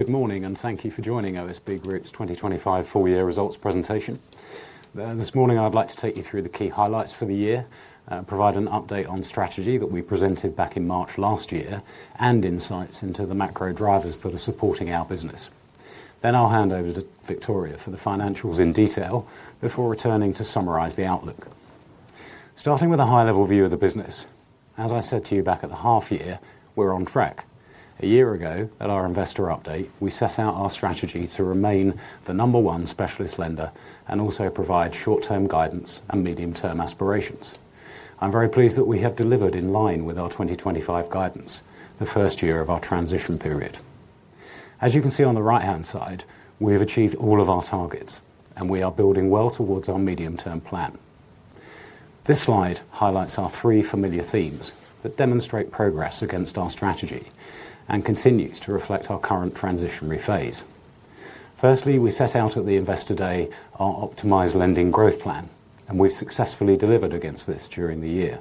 Good morning, thank you for joining OSB Group's 2025 full year results presentation. This morning I'd like to take you through the key highlights for the year, provide an update on strategy that we presented back in March last year and insights into the macro drivers that are supporting our business. I'll hand over to Victoria for the financials in detail before returning to summarize the outlook. Starting with a high level view of the business, as I said to you back at the half year, we're on track. A year ago, at our investor update, we set out our strategy to remain the number one specialist lender and also provide short-term guidance and medium-term aspirations. I'm very pleased that we have delivered in line with our 2025 guidance, the first year of our transition period. As you can see on the right-hand side, we have achieved all of our targets, and we are building well towards our medium-term plan. This slide highlights our three familiar themes that demonstrate progress against our strategy and continues to reflect our current transitionary phase. Firstly, we set out at the Investor Day our optimized lending growth plan, and we've successfully delivered against this during the year.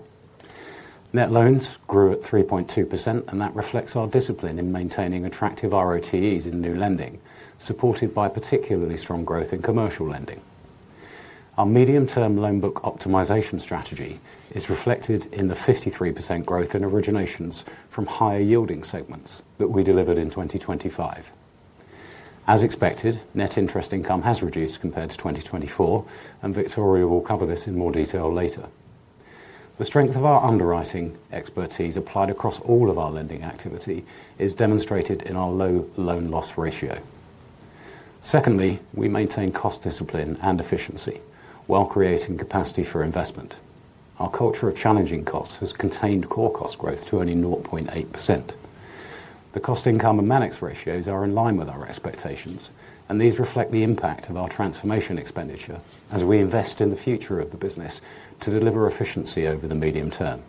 Net loans grew at 3.2%, and that reflects our discipline in maintaining attractive ROTEs in new lending, supported by particularly strong growth in commercial lending. Our medium term loan book optimization strategy is reflected in the 53% growth in originations from higher yielding segments that we delivered in 2025. As expected, net interest income has reduced compared to 2024, and Victoria will cover this in more detail later. The strength of our underwriting expertise applied across all of our lending activity is demonstrated in our low loan loss ratio. Secondly, we maintain cost discipline and efficiency while creating capacity for investment. Our culture of challenging costs has contained core cost growth to only 0.8%. The cost to income and management expense ratios are in line with our expectations, and these reflect the impact of our transformation expenditure as we invest in the future of the business to deliver efficiency over the medium term.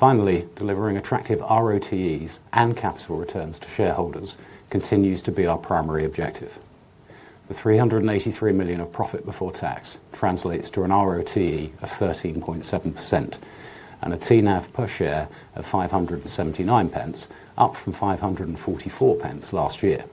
Delivering attractive ROTEs and capital returns to shareholders continues to be our primary objective. The 383 million of profit before tax translates to an ROTE of 13.7% and a TNAV per share of 5.79, up from 5.44 last year.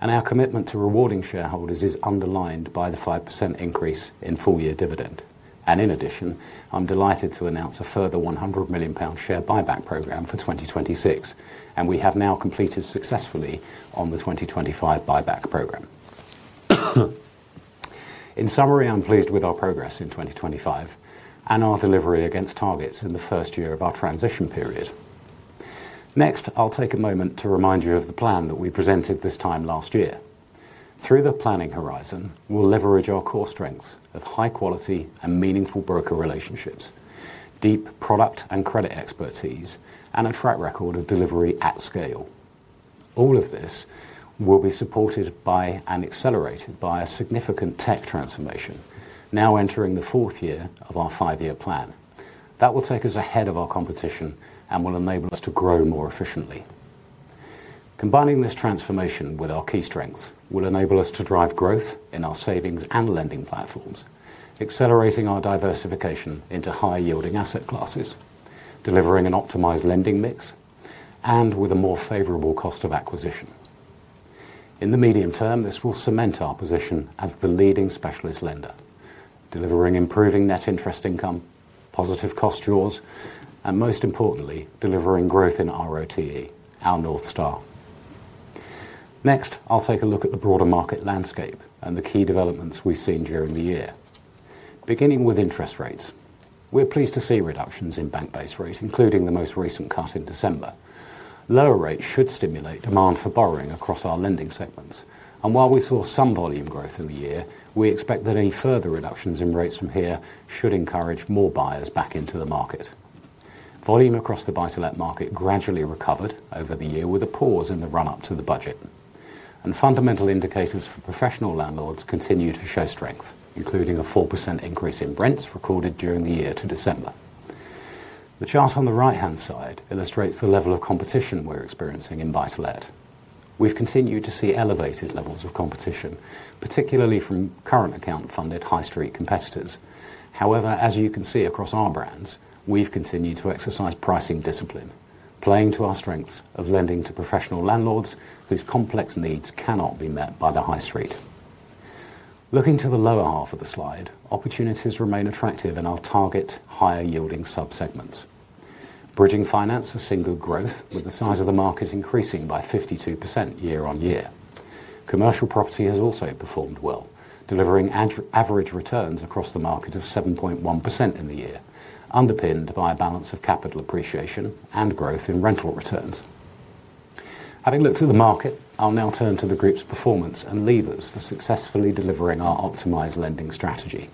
Our commitment to rewarding shareholders is underlined by the 5% increase in full year dividend. In addition, I'm delighted to announce a further 100 million pound share buyback program for 2026, and we have now completed successfully on the 2025 buyback program. In summary, I'm pleased with our progress in 2025 and our delivery against targets in the first year of our transition period. Next, I'll take a moment to remind you of the plan that we presented this time last year. Through the planning horizon, we'll leverage our core strengths of high quality and meaningful broker relationships, deep product and credit expertise, and a track record of delivery at scale. All of this will be supported by and accelerated by a significant tech transformation now entering the fourth year of our five-year plan. That will take us ahead of our competition and will enable us to grow more efficiently. Combining this transformation with our key strengths will enable us to drive growth in our savings and lending platforms, accelerating our diversification into higher yielding asset classes, delivering an optimized lending mix and with a more favorable cost of acquisition. In the medium term, this will cement our position as the leading specialist lender, delivering improving net interest income, positive cost drawers, and most importantly, delivering growth in ROTE, our North Star. Next, I'll take a look at the broader market landscape and the key developments we've seen during the year. Beginning with interest rates. We're pleased to see reductions in bank base rates, including the most recent cut in December. Lower rates should stimulate demand for borrowing across our lending segments. While we saw some volume growth in the year, we expect that any further reductions in rates from here should encourage more buyers back into the market. Volume across the buy-to-let market gradually recovered over the year with a pause in the run-up to the budget. Fundamental indicators for professional landlords continue to show strength, including a 4% increase in rents recorded during the year to December. The chart on the right-hand side illustrates the level of competition we're experiencing in buy-to-let. We've continued to see elevated levels of competition, particularly from current account funded high street competitors. However, as you can see across our brands, we've continued to exercise pricing discipline, playing to our strengths of lending to professional landlords whose complex needs cannot be met by the high street. Looking to the lower half of the slide, opportunities remain attractive in our target higher yielding sub-segments. Bridging finance has seen good growth with the size of the market increasing by 52% year-on-year. Commercial property has also performed well, delivering an average returns across the market of 7.1% in the year, underpinned by a balance of capital appreciation and growth in rental returns. Having looked at the market, I'll now turn to the group's performance and levers for successfully delivering our optimized lending strategy.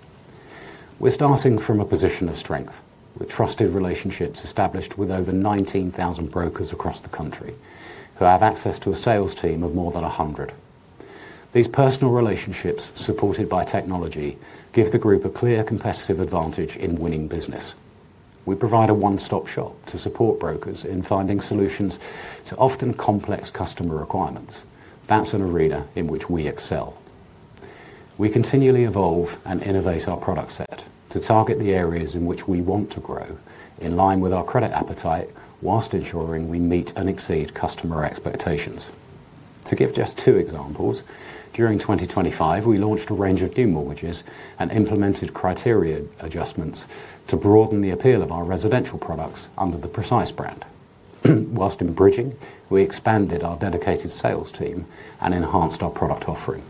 We're starting from a position of strength with trusted relationships established with over 19,000 brokers across the country who have access to a sales team of more than 100. These personal relationships, supported by technology, give the group a clear competitive advantage in winning business. We provide a one-stop-shop to support brokers in finding solutions to often complex customer requirements. That's an arena in which we excel. We continually evolve and innovate our product set to target the areas in which we want to grow in line with our credit appetite, whilst ensuring we meet and exceed customer expectations. To give just two examples, during 2025, we launched a range of new mortgages and implemented criteria adjustments to broaden the appeal of our residential products under the Precise brand. Whilst in bridging, we expanded our dedicated sales team and enhanced our product offering.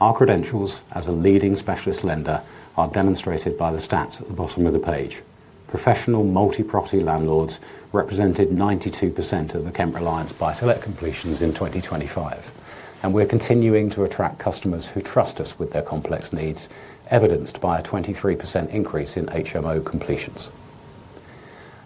Our credentials as a leading specialist lender are demonstrated by the stats at the bottom of the page. Professional multi-property landlords represented 92% of the Kent Reliance buy-to-let completions in 2025. We're continuing to attract customers who trust us with their complex needs, evidenced by a 23% increase in HMO completions.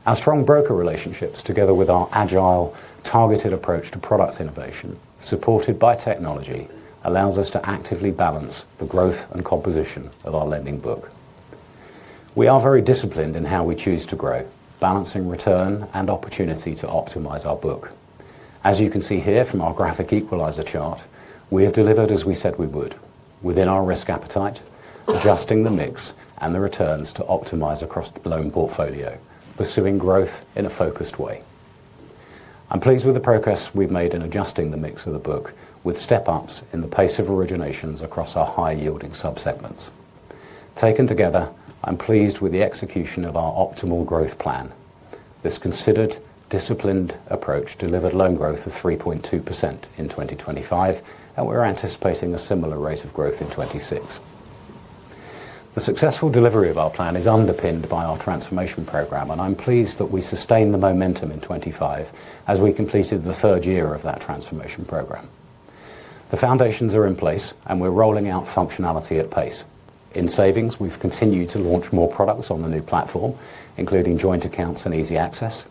Our strong broker relationships, together with our agile, targeted approach to product innovation, supported by technology, allows us to actively balance the growth and composition of our lending book. We are very disciplined in how we choose to grow, balancing return and opportunity to optimize our book. As you can see here from our graphic equalizer chart, we have delivered as we said we would within our risk appetite, adjusting the mix and the returns to optimize across the loan portfolio, pursuing growth in a focused way. I'm pleased with the progress we've made in adjusting the mix of the book with step ups in the pace of originations across our high-yielding sub-segments. Taken together, I'm pleased with the execution of our optimal growth plan. This considered, disciplined approach delivered loan growth of 3.2% in 2025. We're anticipating a similar rate of growth in 2026. The successful delivery of our plan is underpinned by our transformation program. I'm pleased that we sustained the momentum in 2025 as we completed the third year of that transformation program. The foundations are in place. We're rolling out functionality at pace. In savings, we've continued to launch more products on the new platform, including joint accounts and easy access.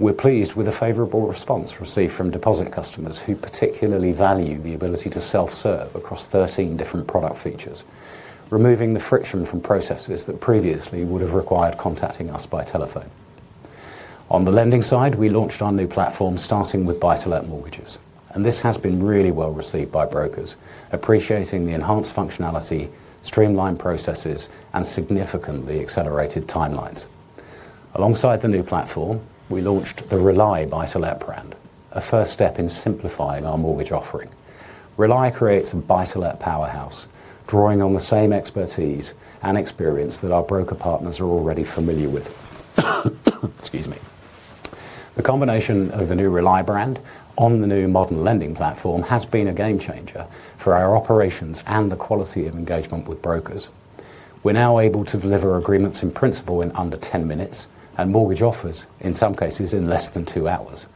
We're pleased with the favorable response received from deposit customers who particularly value the ability to self-serve across 13 different product features, removing the friction from processes that previously would have required contacting us by telephone. On the lending side, we launched our new platform starting with buy-to-let mortgages, and this has been really well received by brokers, appreciating the enhanced functionality, streamlined processes, and significantly accelerated timelines. Alongside the new platform, we launched the Rely buy-to-let brand, a first step in simplifying our mortgage offering. Rely creates a buy-to-let powerhouse, drawing on the same expertise and experience that our broker partners are already familiar with. Excuse me. The combination of the new Rely brand on the new modern lending platform has been a game changer for our operations and the quality of engagement with brokers. We're now able to deliver agreements in principle in under 10 minutes and mortgage offers, in some cases, in less than 2 hours.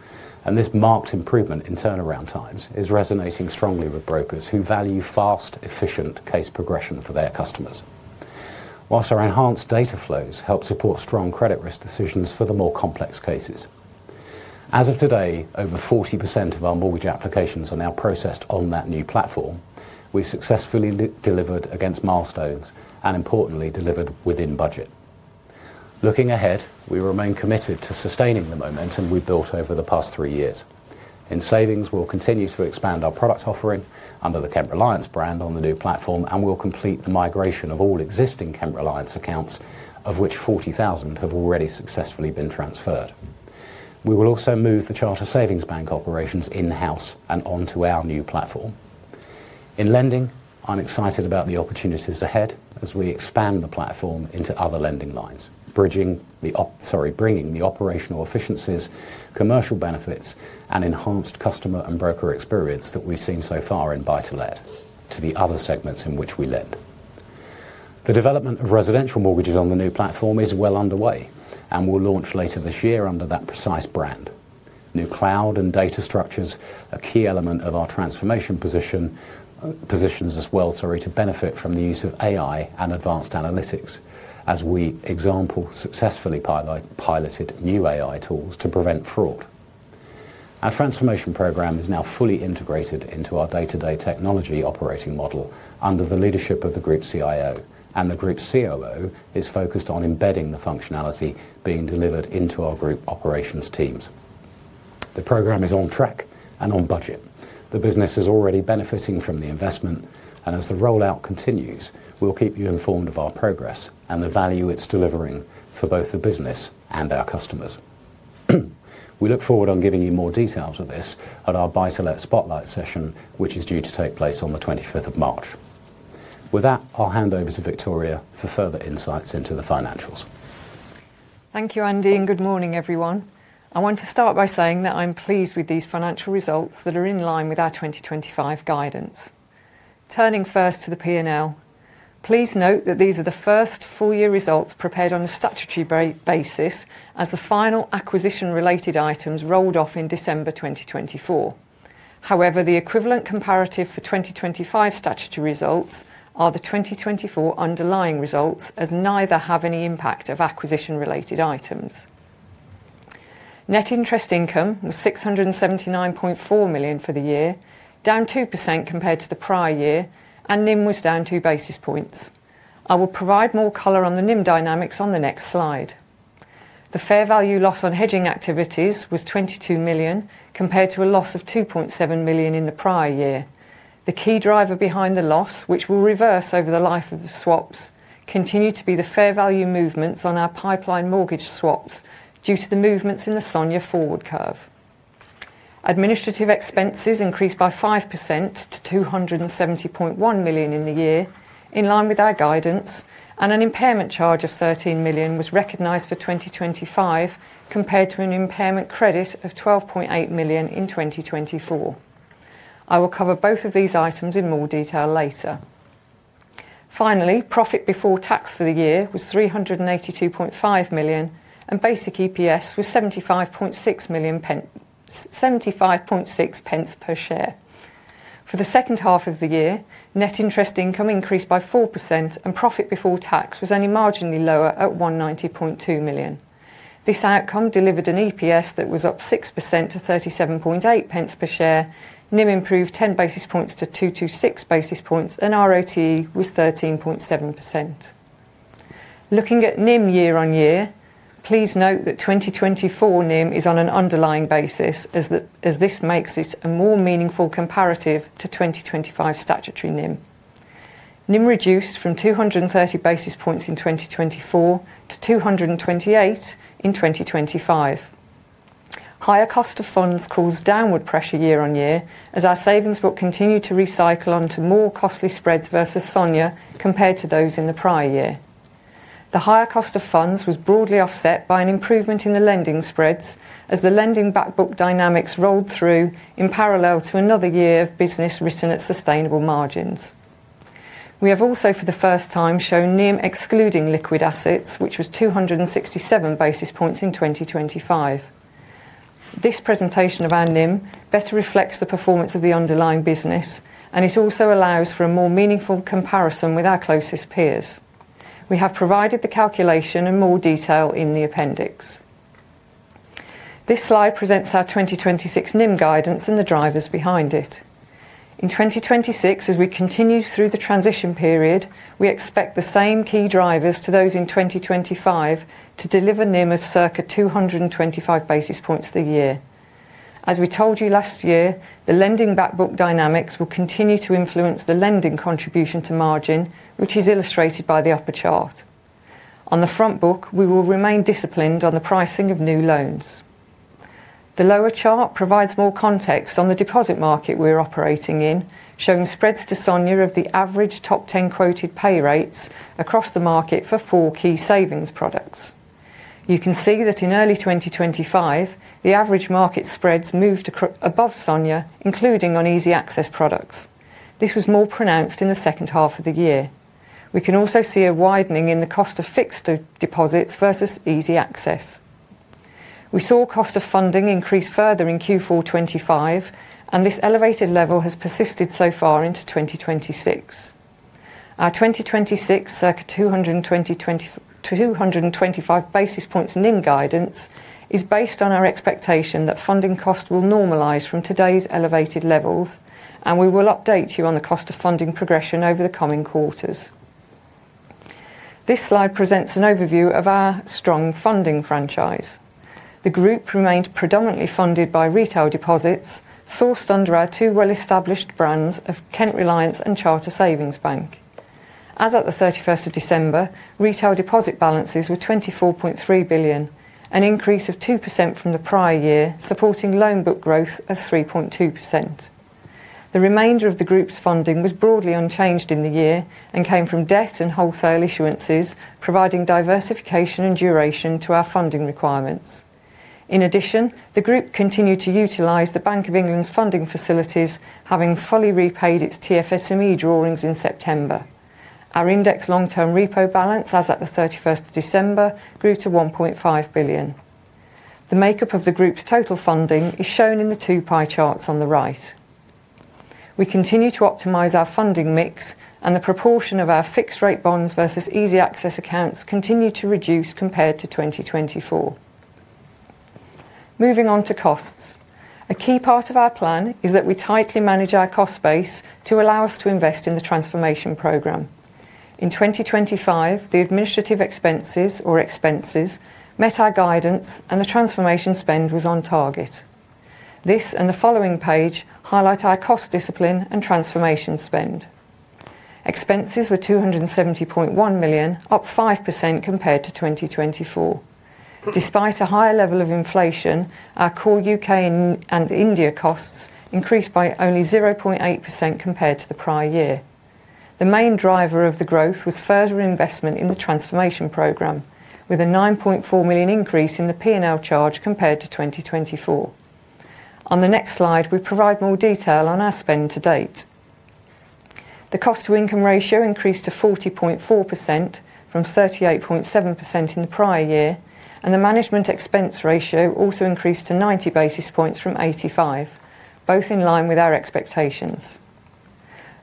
This marked improvement in turnaround times is resonating strongly with brokers who value fast, efficient case progression for their customers. Whilst our enhanced data flows help support strong credit risk decisions for the more complex cases. As of today, over 40% of our mortgage applications are now processed on that new platform. We've successfully delivered against milestones and importantly delivered within budget. Looking ahead, we remain committed to sustaining the momentum we built over the past three years. In savings, we'll continue to expand our product offering under the Kent Reliance brand on the new platform, and we'll complete the migration of all existing Kent Reliance accounts, of which 40,000 have already successfully been transferred. We will also move the Charter Savings Bank operations in-house and onto our new platform. In lending, I'm excited about the opportunities ahead as we expand the platform into other lending lines. Sorry, bringing the operational efficiencies, commercial benefits, and enhanced customer and broker experience that we've seen so far in buy-to-let to the other segments in which we lend. The development of residential mortgages on the new platform is well underway and will launch later this year under that Precise brand. New cloud and data structures, a key element of our transformation position, positions as well, sorry, to benefit from the use of AI and advanced analytics as we successfully piloted new AI tools to prevent fraud. Our transformation program is now fully integrated into our day-to-day technology operating model under the leadership of the group CIO and the group COO is focused on embedding the functionality being delivered into our group operations teams. The program is on track and on budget. The business is already benefiting from the investment, and as the rollout continues, we'll keep you informed of our progress and the value it's delivering for both the business and our customers. We look forward on giving you more details of this at our buy-to-let spotlight session, which is due to take place on the 25th of March. With that, I'll hand over to Victoria for further insights into the financials. Thank you, Andy. Good morning, everyone. I want to start by saying that I'm pleased with these financial results that are in line with our 2025 guidance. Turning first to the P&L. Please note that these are the first full-year results prepared on a statutory basis as the final acquisition-related items rolled off in December 2024. However, the equivalent comparative for 2025 statutory results are the 2024 underlying results, as neither have any impact of acquisition-related items. Net interest income was 679.4 million for the year, down 2% compared to the prior year, and NIM was down 2 basis points. I will provide more color on the NIM dynamics on the next slide. The fair value loss on hedging activities was 22 million compared to a loss of 2.7 million in the prior year. The key driver behind the loss, which will reverse over the life of the swaps, continue to be the fair value movements on our pipeline mortgage swaps due to the movements in the SONIA forward curve. Administrative expenses increased by 5% to 270.1 million in the year in line with our guidance, and an impairment charge of 13 million was recognized for 2025 compared to an impairment credit of 12.8 million in 2024. I will cover both of these items in more detail later. Profit before tax for the year was 382.5 million, and basic EPS was 75.6p per share. For the second half of the year, net interest income increased by 4%. Profit before tax was only marginally lower at 190.2 million. This outcome delivered an EPS that was up 6% to 0.378 per share. NIM improved 10 basis points to 226 basis points and ROTE was 13.7%. Looking at NIM year-on-year, please note that 2024 NIM is on an underlying basis as this makes this a more meaningful comparative to 2025 statutory NIM. NIM reduced from 230 basis points in 2024 to 228 in 2025. Higher cost of funds caused downward pressure year-on-year as our savings will continue to recycle onto more costly spreads versus SONIA compared to those in the prior year. The higher cost of funds was broadly offset by an improvement in the lending spreads as the lending back book dynamics rolled through in parallel to another year of business written at sustainable margins. We have also for the first time shown NIM excluding liquid assets, which was 267 basis points in 2025. This presentation of our NIM better reflects the performance of the underlying business. It also allows for a more meaningful comparison with our closest peers. We have provided the calculation in more detail in the appendix. This slide presents our 2026 NIM guidance and the drivers behind it. In 2026, as we continue through the transition period, we expect the same key drivers to those in 2025 to deliver NIM of circa 225 basis points the year. As we told you last year, the lending back book dynamics will continue to influence the lending contribution to margin, which is illustrated by the upper chart. On the front book, we will remain disciplined on the pricing of new loans. The lower chart provides more context on the deposit market we're operating in, showing spreads to SONIA of the average top 10 quoted pay rates across the market for 4 key savings products. You can see that in early 2025, the average market spreads moved above SONIA, including on easy access products. This was more pronounced in the second half of the year. We can also see a widening in the cost of fixed deposits versus easy access. We saw cost of funding increase further in Q4 2025, this elevated level has persisted so far into 2026. Our 2026 circa 225 basis points NIM guidance is based on our expectation that funding cost will normalize from today's elevated levels. We will update you on the cost of funding progression over the coming quarters. This slide presents an overview of our strong funding franchise. The group remained predominantly funded by retail deposits sourced under our two well-established brands of Kent Reliance and Charter Savings Bank. As at the 31st of December, retail deposit balances were 24.3 billion, an increase of 2% from the prior year, supporting loan book growth of 3.2%. The remainder of the group's funding was broadly unchanged in the year and came from debt and wholesale issuances, providing diversification and duration to our funding requirements. In addition, the group continued to utilize the Bank of England's funding facilities, having fully repaid its TFSME drawings in September. Our index long term repo balance as at the 31st of December grew to 1.5 billion. The makeup of the group's total funding is shown in the two pie charts on the right. We continue to optimize our funding mix and the proportion of our fixed rate bonds versus easy access accounts continue to reduce compared to 2024. Moving on to costs. A key part of our plan is that we tightly manage our cost base to allow us to invest in the transformation program. In 2025, the administrative expenses or expenses met our guidance and the transformation spend was on target. This and the following page highlight our cost discipline and transformation spend. Expenses were 270.1 million, up 5% compared to 2024. Despite a higher level of inflation, our core U.K. and India costs increased by only 0.8% compared to the prior year. The main driver of the growth was further investment in the transformation program with a 9.4 million increase in the P&L charge compared to 2024. On the next slide, we provide more detail on our spend to date. The cost to income ratio increased to 40.4% from 38.7% in the prior year, and the management expense ratio also increased to 90 basis points from 85, both in line with our expectations.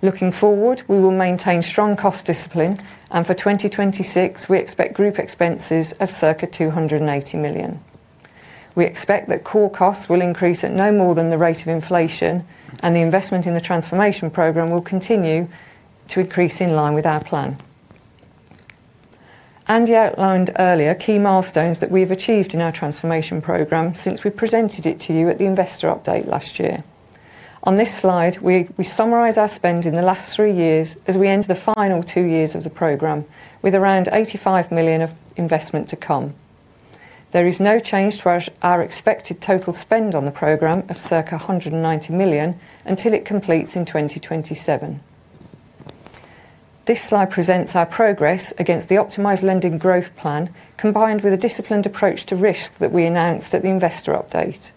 Looking forward, we will maintain strong cost discipline. For 2026, we expect group expenses of circa 280 million. We expect that core costs will increase at no more than the rate of inflation. The investment in the transformation program will continue to increase in line with our plan. Andy outlined earlier key milestones that we've achieved in our transformation program since we presented it to you at the investor update last year. On this slide, we summarize our spend in the last 3 years as we enter the final 2 years of the program with around 85 million of investment to come. There is no change to our expected total spend on the program of circa 190 million until it completes in 2027. This slide presents our progress against the optimized lending growth plan, combined with a disciplined approach to risk that we announced at the investor update.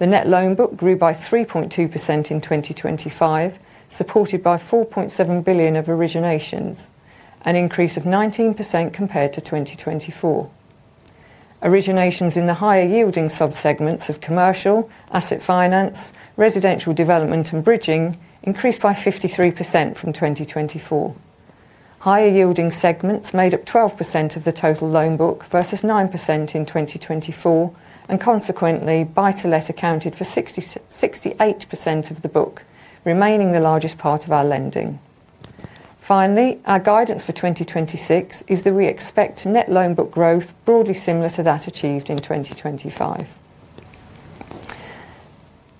The net loan book grew by 3.2% in 2025, supported by 4.7 billion of originations, an increase of 19% compared to 2024. Originations in the higher yielding sub-segments of commercial, asset finance, residential development and bridging increased by 53% from 2024. Higher yielding segments made up 12% of the total loan book versus 9% in 2024, and consequently, buy-to-let accounted for 68% of the book, remaining the largest part of our lending. Our guidance for 2026 is that we expect net loan book growth broadly similar to that achieved in 2025.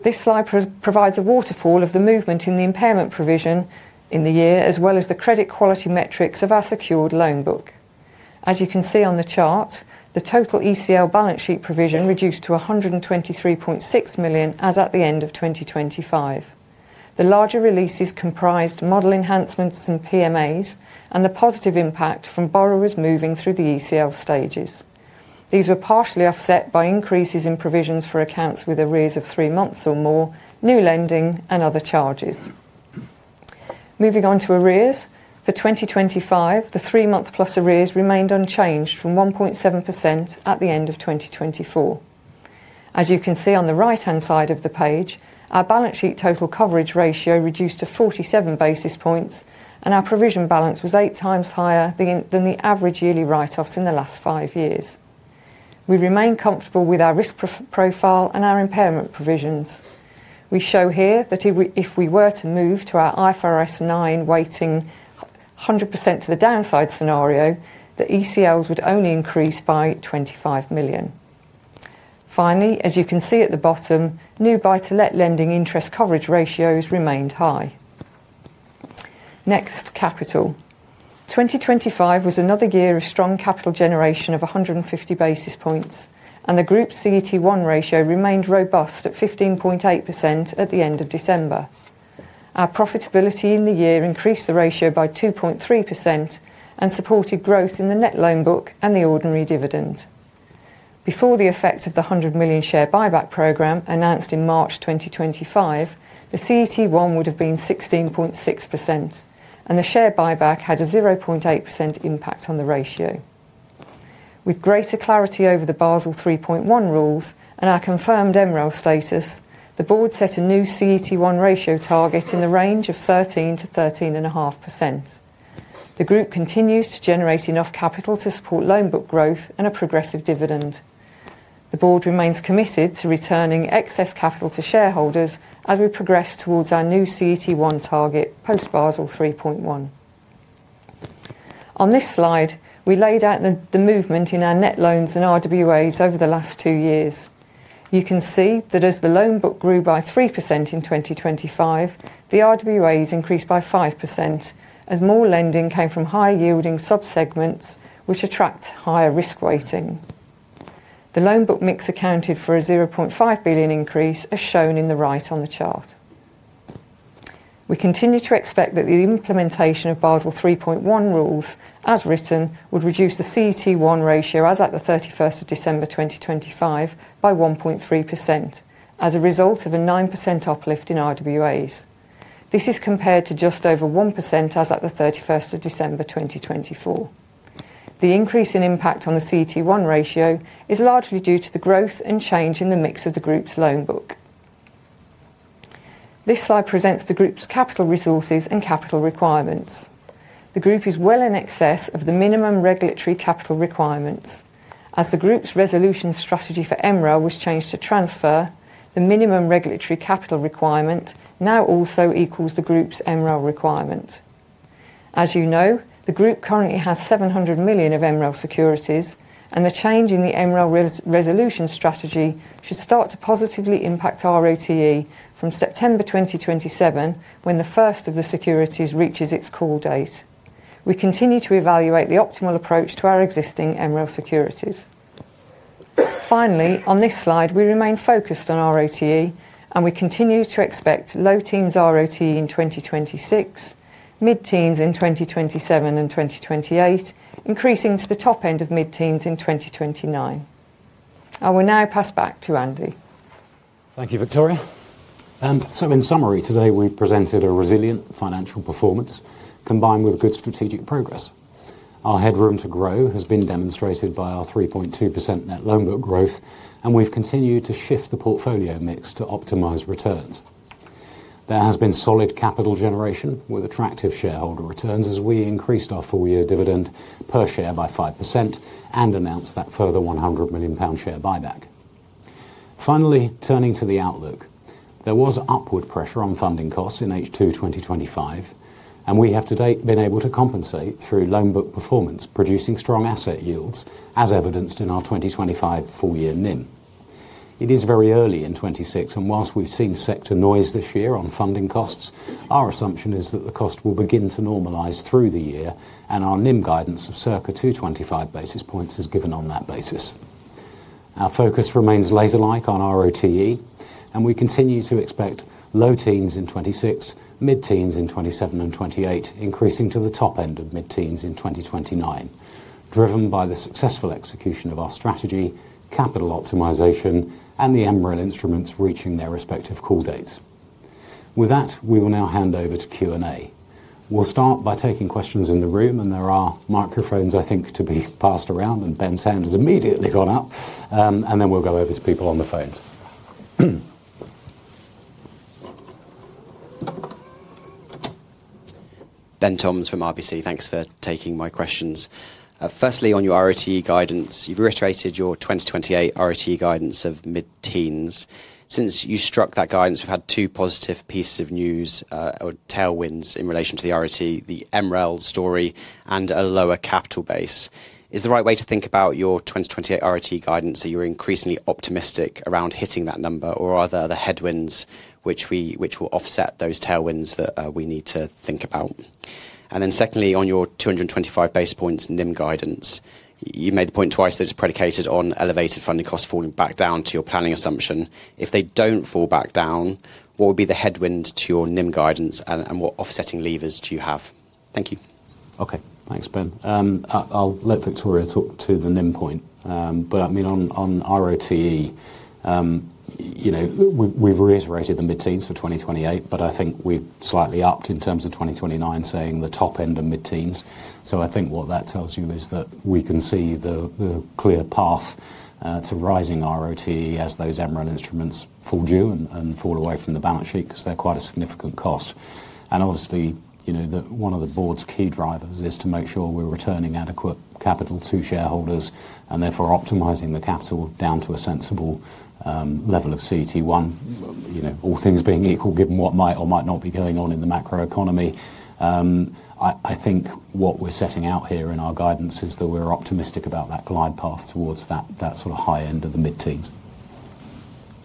This slide provides a waterfall of the movement in the impairment provision in the year, as well as the credit quality metrics of our secured loan book. As you can see on the chart, the total ECL balance sheet provision reduced to 123.6 million as at the end of 2025. The larger releases comprised model enhancements and PMAs and the positive impact from borrowers moving through the ECL stages. These were partially offset by increases in provisions for accounts with arrears of three months or more, new lending and other charges. Moving on to arrears, for 2025, the three-month plus arrears remained unchanged from 1.7% at the end of 2024. As you can see on the right-hand side of the page, our balance sheet total coverage ratio reduced to 47 basis points, and our provision balance was eight times higher than the average yearly write-offs in the last five years. We remain comfortable with our risk profile and our impairment provisions. We show here that if we were to move to our IFRS 9 weighting 100% to the downside scenario, the ECLs would only increase by 25 million. Finally, as you can see at the bottom, new buy-to-let lending interest coverage ratios remained high. Next, capital. 2025 was another year of strong capital generation of 150 basis points, and the group CET1 ratio remained robust at 15.8% at the end of December. Our profitability in the year increased the ratio by 2.3% and supported growth in the net loan book and the ordinary dividend. Before the effect of the 100 million share buyback program announced in March 2025, the CET1 would have been 16.6%, and the share buyback had a 0.8% impact on the ratio. With greater clarity over the Basel III.1 rules and our confirmed MREL status, the board set a new CET1 ratio target in the range of 13%-13.5%. The group continues to generate enough capital to support loan book growth and a progressive dividend. The board remains committed to returning excess capital to shareholders as we progress towards our new CET1 target post Basel III.1. On this slide, we laid out the movement in our net loans and RWAs over the last two years. You can see that as the loan book grew by 3% in 2025, the RWAs increased by 5% as more lending came from higher yielding sub-segments which attract higher risk weighting. The loan book mix accounted for a 0.5 billion increase, as shown in the right on the chart. We continue to expect that the implementation of Basel III.1 rules as written would reduce the CET1 ratio as at the 31st of December 2025 by 1.3% as a result of a 9% uplift in RWAs. This is compared to just over 1% as at the 31st of December 2024. The increase in impact on the CET1 ratio is largely due to the growth and change in the mix of the group's loan book. This slide presents the group's capital resources and capital requirements. The group is well in excess of the minimum regulatory capital requirements. The group's resolution strategy for MREL was changed to transfer, the minimum regulatory capital requirement now also equals the group's MREL requirement. You know, the group currently has 700 million of MREL securities, and the change in the MREL resolution strategy should start to positively impact ROTE from September 2027 when the first of the securities reaches its call date. We continue to evaluate the optimal approach to our existing MREL securities. Finally, on this slide, we remain focused on ROTE, and we continue to expect low teens ROTE in 2026, mid-teens in 2027 and 2028, increasing to the top end of mid-teens in 2029. I will now pass back to Andy. Thank you, Victoria. In summary, today we presented a resilient financial performance combined with good strategic progress. Our headroom to grow has been demonstrated by our 3.2% net loan book growth, and we've continued to shift the portfolio mix to optimize returns. There has been solid capital generation with attractive shareholder returns as we increased our full year dividend per share by 5% and announced that further 100 million pound share buyback. Finally, turning to the outlook. There was upward pressure on funding costs in H2 2025, and we have to date been able to compensate through loan book performance, producing strong asset yields as evidenced in our 2025 full year NIM. It is very early in 2026, and whilst we've seen sector noise this year on funding costs, our assumption is that the cost will begin to normalize through the year and our NIM guidance of circa 225 basis points is given on that basis. Our focus remains laser-like on ROTE, and we continue to expect low teens in 2026, mid-teens in 2027 and 2028, increasing to the top end of mid-teens in 2029, driven by the successful execution of our strategy, capital optimization, and the MREL instruments reaching their respective call dates. With that, we will now hand over to Q&A. We'll start by taking questions in the room, and there are microphones, I think, to be passed around, and Ben Sanders immediately gone up. Then we'll go over to people on the phones. Ben Toms from RBC. Thanks for taking my questions. Firstly, on your ROTE guidance, you've reiterated your 2028 ROTE guidance of mid-teens. Since you struck that guidance, we've had two positive pieces of news, or tailwinds in relation to the ROTE, the MREL story, and a lower capital base. Is the right way to think about your 2028 ROTE guidance that you're increasingly optimistic around hitting that number, or are there other headwinds which will offset those tailwinds that we need to think about? Secondly, on your 225 basis points NIM guidance, you made the point twice that it's predicated on elevated funding costs falling back down to your planning assumption. If they don't fall back down, what would be the headwind to your NIM guidance and what offsetting levers do you have? Thank you. Okay. Thanks, Ben. I'll let Victoria talk to the NIM point. But I mean, on ROTE, you know, we've reiterated the mid-teens for 2028, but I think we've slightly upped in terms of 2029, saying the top end of mid-teens. I think what that tells you is that we can see the clear path to rising ROTE as those MREL instruments fall due and fall away from the balance sheet because they're quite a significant cost. Obviously, you know, one of the board's key drivers is to make sure we're returning adequate capital to shareholders and therefore optimizing the capital down to a sensible level of CET1. You know, all things being equal, given what might or might not be going on in the macro economy, I think what we're setting out here in our guidance is that we're optimistic about that glide path towards that sort of high end of the mid-teens.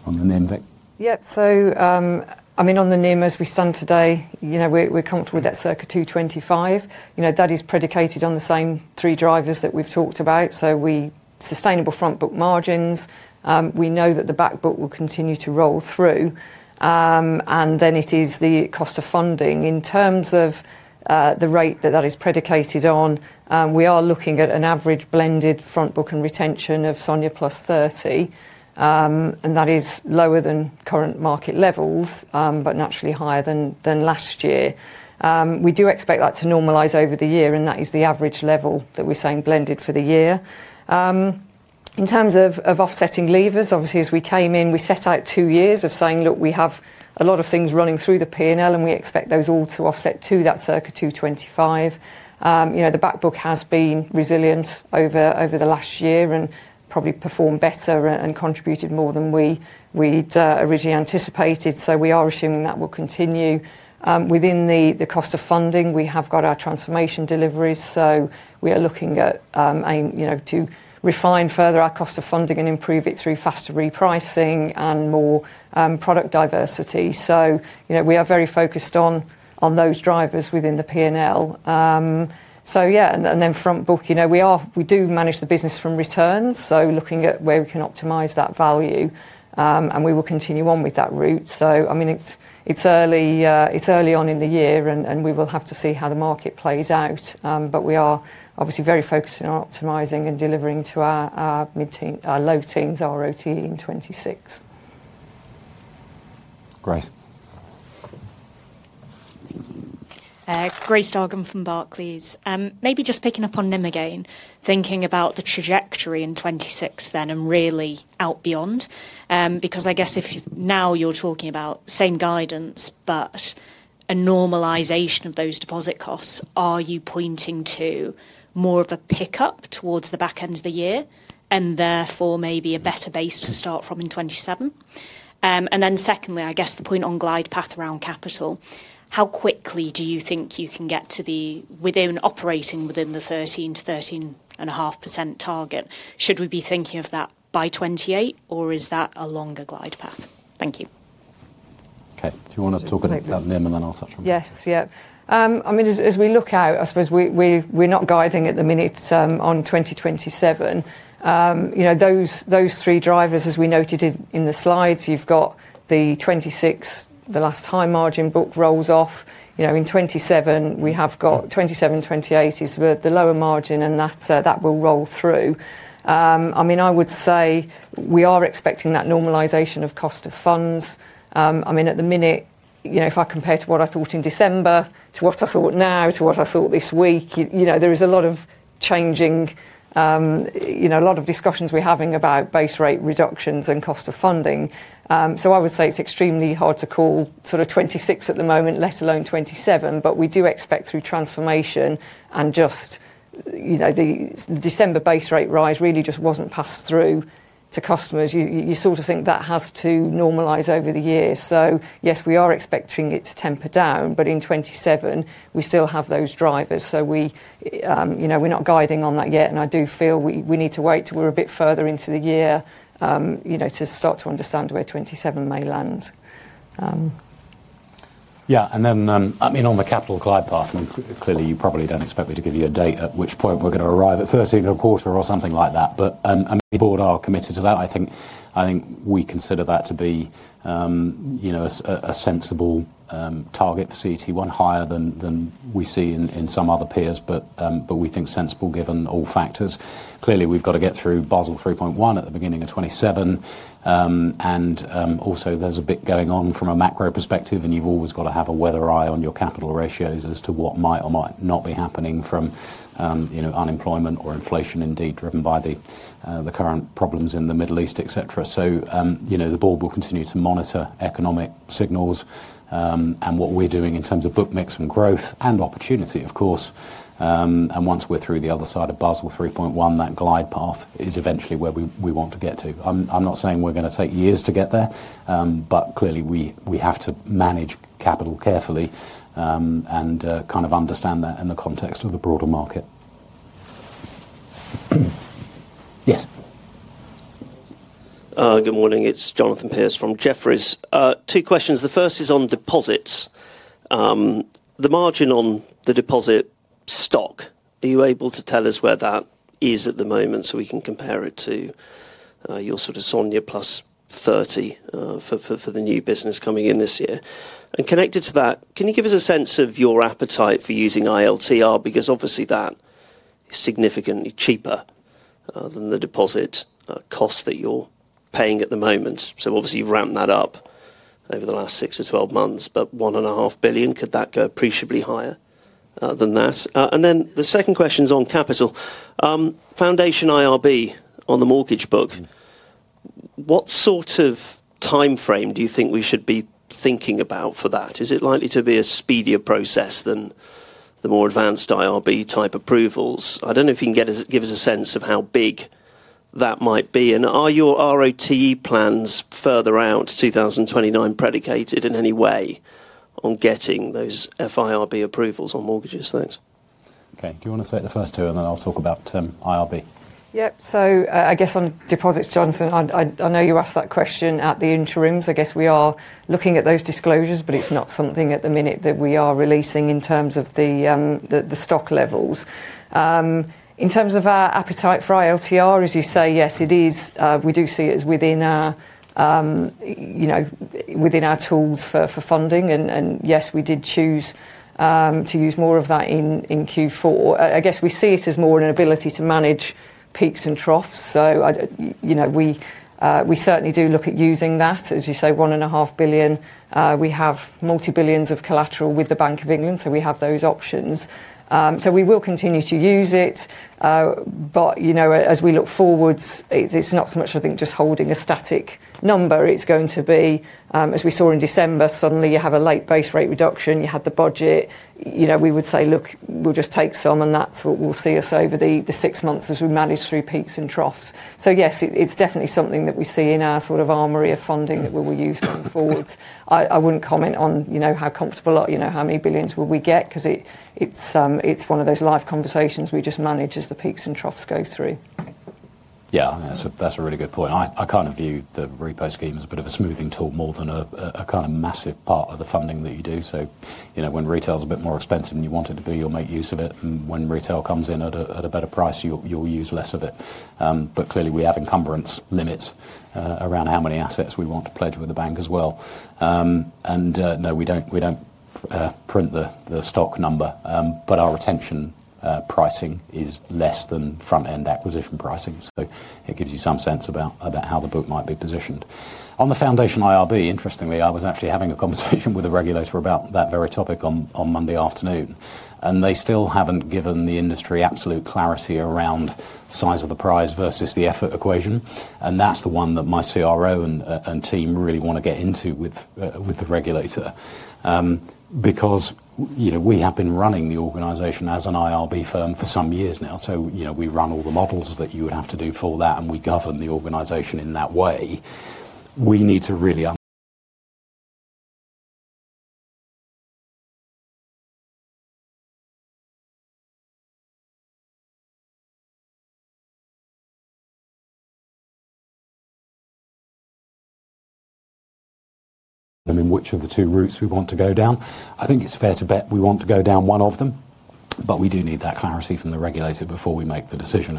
On the NIM, Vic. Yeah. I mean, on the NIM, as we stand today, you know, we're comfortable with that circa 225. You know, that is predicated on the same three drivers that we've talked about. we sustainable front book margins. we know that the back book will continue to roll through. it is the cost of funding. In terms of the rate that that is predicated on, we are looking at an average blended front book and retention of SONIA plus 30, and that is lower than current market levels, naturally higher than last year. we do expect that to normalize over the year, and that is the average level that we're saying blended for the year. In terms of offsetting levers, obviously, as we came in, we set out 2 years of saying, "Look, we have a lot of things running through the P&L, and we expect those all to offset to that circa 225." You know, the back book has been resilient over the last year and probably performed better and contributed more than we'd originally anticipated. We are assuming that will continue. Within the cost of funding, we have got our transformation deliveries. We are looking at, aim, you know, to refine further our cost of funding and improve it through faster repricing and more product diversity. You know, we are very focused on those drivers within the P&L. Yeah, and then front book, you know, we do manage the business from returns, looking at where we can optimize that value, and we will continue on with that route. I mean, it's early on in the year and we will have to see how the market plays out. But we are obviously very focused on optimizing and delivering to our low teens ROTE in 2026. Grace. Thank you. Grace Dargan from Barclays. Maybe just picking up on NIM again, thinking about the trajectory in 26 then and really out beyond. Because I guess if now you're talking about same guidance, but a normalization of those deposit costs, are you pointing to more of a pickup towards the back end of the year and therefore maybe a better base to start from in 27? Secondly, I guess the point on glide path around capital, how quickly do you think you can get to within operating within the 13%-13.5% target? Should we be thinking of that by 28, or is that a longer glide path? Thank you. Okay. Do you want to talk about NIM, and then I'll touch on it? Yes. Yeah. I mean, as we look out, I suppose we're not guiding at the minute on 2027. You know, those 3 drivers, as we noted in the slides, you've got the 2026, the last high margin book rolls off. You know, in 2027, we have got 2027, 2028 is with the lower margin, and that will roll through. I mean, I would say we are expecting that normalization of cost of funds. I mean, at the minute, you know, if I compare to what I thought in December, to what I thought now, to what I thought this week, you know, there is a lot of changing, you know, a lot of discussions we're having about base rate reductions and cost of funding. I would say it's extremely hard to call sort of 2026 at the moment, let alone 2027. We do expect through transformation and just, you know, the December base rate rise really just wasn't passed through to customers. You, you sort of think that has to normalize over the year. Yes, we are expecting it to temper down, but in 2027 we still have those drivers. We, you know, we're not guiding on that yet, and I do feel we need to wait 'til we're a bit further into the year, you know, to start to understand where 2027 may land. Yeah. I mean, on the capital glide path, and clearly you probably don't expect me to give you a date at which point we're going to arrive at 13 or a quarter or something like that. I mean, the board are committed to that. I think we consider that to be, you know, a sensible target for CET1, higher than we see in some other peers, but we think sensible given all factors. Clearly, we've got to get through Basel III.1 at the beginning of 2027. Also there's a bit going on from a macro perspective, and you've always got to have a weather eye on your capital ratios as to what might or might not be happening from, you know, unemployment or inflation indeed driven by the current problems in the Middle East, et cetera. You know, the board will continue to monitor economic signals, and what we're doing in terms of book mix and growth and opportunity, of course. Once we're through the other side of Basel III.1, that glide path is eventually where we want to get to. I'm not saying we're going to take years to get there, but clearly we have to manage capital carefully, and kind of understand that in the context of the broader market. Yes. Good morning. It's Jonathan Pierce from Jefferies. Two questions. The first is on deposits. The margin on the deposit stock, are you able to tell us where that is at the moment so we can compare it to your sort of SONIA plus 30 for the new business coming in this year? Connected to that, can you give us a sense of your appetite for using ILTR? Because obviously that is significantly cheaper than the deposit cost that you're paying at the moment. Obviously you've ramped that up over the last 6-12 months, but 1.5 billion, could that go appreciably higher than that? The second question's on capital. Foundation IRB on the mortgage book, what sort of timeframe do you think we should be thinking about for that? Is it likely to be a speedier process than the more advanced IRB type approvals? I don't know if you can give us a sense of how big that might be. Are your ROTE plans further out to 2029 predicated in any way on getting those FIRB approvals on mortgages? Thanks. Okay. Do you want to take the first two, and then I'll talk about IRB. Yeah. I guess on deposits, Jonathan, I know you asked that question at the interims. I guess we are looking at those disclosures, but it's not something at the minute that we are releasing in terms of the stock levels. In terms of our appetite for ILTR, as you say, yes, it is. We do see it as within our, you know, within our tools for funding. Yes, we did choose to use more of that in Q4. I guess we see it as more an ability to manage peaks and troughs. I, you know, we certainly do look at using that. As you say, 1.5 billion. We have multi-billions of collateral with the Bank of England, so we have those options. We will continue to use it. You know, as we look forwards, it's not so much, I think, just holding a static number. It's going to be, as we saw in December, suddenly you have a late base rate reduction, you have the budget. You know, we would say, "Look, we'll just take some," and that's what will see us over the 6 months as we manage through peaks and troughs. Yes, it's definitely something that we see in our sort of armory of funding that we will use going forwards. I wouldn't comment on, you know, how comfortable or, you know, how many billions will we get, 'cause it's one of those live conversations we just manage as the peaks and troughs go through. Yeah. That's a really good point. I kind of view the repo scheme as a bit of a smoothing tool more than a kind of massive part of the funding that you do. You know, when retail is a bit more expensive than you want it to be, you'll make use of it. When retail comes in at a better price, you'll use less of it. Clearly we have encumbrance limits around how many assets we want to pledge with the bank as well. No, we don't print the stock number. Our retention pricing is less than front-end acquisition pricing. It gives you some sense about how the book might be positioned. On the foundation IRB, interestingly, I was actually having a conversation with the regulator about that very topic on Monday afternoon, they still haven't given the industry absolute clarity around size of the prize versus the effort equation. That's the one that my CRO and team really want to get into with the regulator. You know, we have been running the organization as an IRB firm for some years now. You know, we run all the models that you would have to do for that, and we govern the organization in that way. We need to really and then which of the two routes we want to go down. I think it's fair to bet we want to go down one of them, we do need that clarity from the regulator before we make the decision.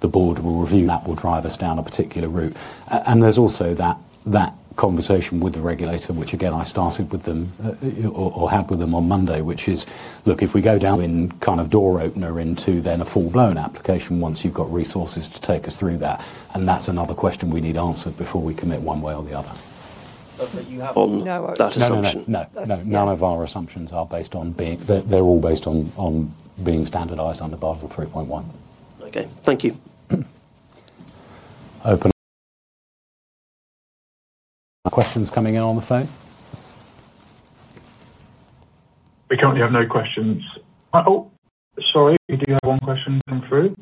The board will review. That will drive us down a particular route. There's also that conversation with the regulator, which again, I started with them or had with them on Monday, which is, look, if we go down in kind of door opener into then a full-blown application, once you've got resources to take us through that's another question we need answered before we commit one way or the other. You have. No that assumption. No, no. None of our assumptions are based on They're all based on being standardized under Basel III.1. Okay. Thank you. Open questions coming in on the phone. We currently have no questions. Sorry. We do have one question come through.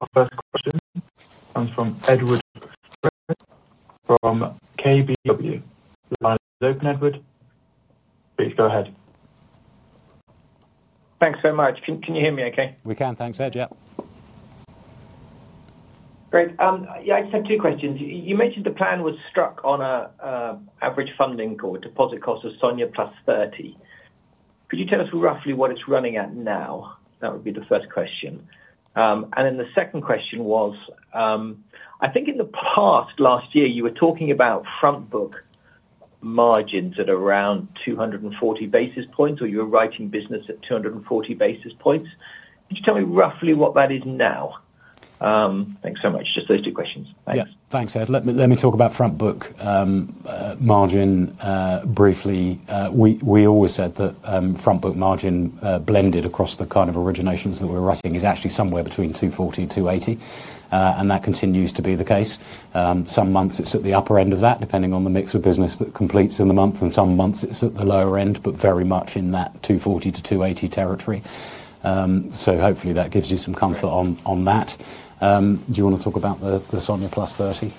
Our first question comes from Edward Firth from KBW. The line is open, Edward. Please go ahead. Thanks so much. Can you hear me okay? We can. Thanks, Ed. Yeah. Great. Yeah, I just have two questions. You mentioned the plan was struck on a average funding or deposit cost of SONIA plus 30. Could you tell us roughly what it's running at now? That would be the first question. The second question was, I think in the past, last year, you were talking about front book margins at around 240 basis points, or you were writing business at 240 basis points. Could you tell me roughly what that is now? Thanks so much. Just those two questions. Yeah. Thanks. Thanks, Ed. Let me talk about front book margin briefly. We always said that front book margin blended across the kind of originations that we're writing is actually somewhere between 240-280. That continues to be the case. Some months it's at the upper end of that, depending on the mix of business that completes in the month, and some months it's at the lower end, but very much in that 240-280 territory. Hopefully that gives you some comfort on that. Do you wanna talk about the SONIA +30?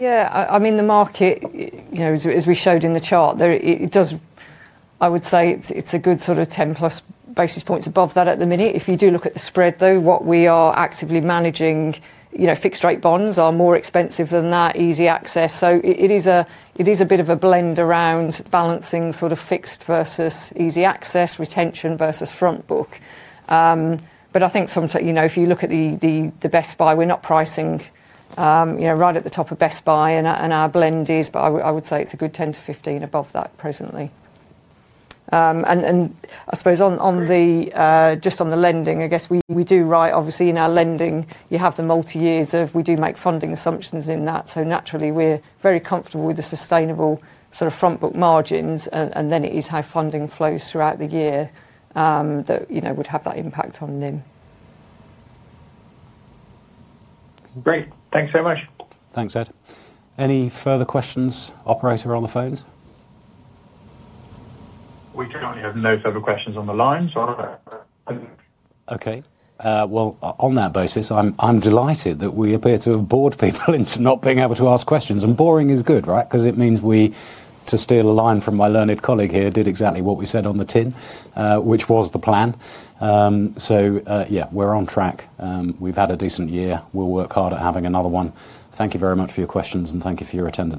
Yeah. I mean, the market, you know, as we showed in the chart there, it does... I would say it's a good sort of 10+ basis points above that at the minute. If you do look at the spread though, what we are actively managing, you know, fixed rate bonds are more expensive than that easy access. It is a bit of a blend around balancing sort of fixed versus easy access, retention versus front book. I think some. You know, if you look at the best buy, we're not pricing, you know, right at the top of best buy and our blend is, I would say it's a good 10-15 above that presently. I suppose on the just on the lending, I guess we do write obviously in our lending, you have the multi-years of we do make funding assumptions in that. Naturally we're very comfortable with the sustainable sort of front book margins and then it is how funding flows throughout the year, that, you know, would have that impact on NIM. Great. Thanks so much. Thanks, Ed. Any further questions, operator, on the phones? We currently have no further questions on the line. Okay. Well, on that basis, I'm delighted that we appear to have bored people into not being able to ask questions. Boring is good, right? 'Cause it means we, to steal a line from my learned colleague here, did exactly what we said on the tin, which was the plan. Yeah, we're on track. We've had a decent year. We'll work hard at having another one. Thank you very much for your questions. Thank you for your attendance.